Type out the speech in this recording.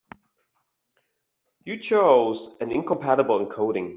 You chose an incompatible encoding.